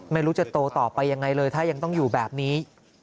ไม่รู้จะโตต่อไปยังไงเลยถ้ายังต้องอยู่แบบนี้